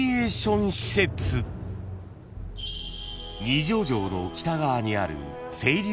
［二条城の北側にある］